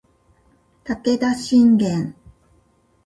武田信玄